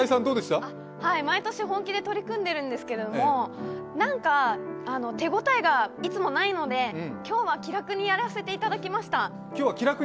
毎年本気で取り組んでいるんですけれどもなんか手応えがいつもないので、今日は気楽にやらせていただきました。